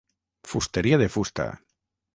Fusteria de fusta.